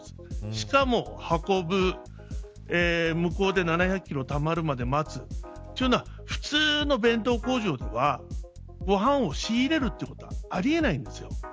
しかも運ぶ向こうで７００キロたまるまで待つというのは普通の弁当工場ではご飯を仕入れるということはあり得ないんです。